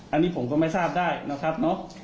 อันนี้ผมก็ไม่ทราบได้นะครับเนาะ